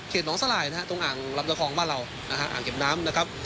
เข็ดน้องสลายตรงอังรับตะของว่านเราอังเก็บน้ำ